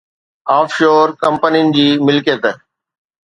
of شور ڪمپنين جي ملڪيت